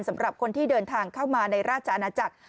สำหรับคนที่เดินทางเข้ามาในราชอาณาจักร